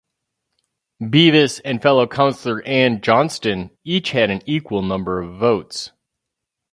Beavis and fellow councillor Anne Johnston each had an equal number of votes.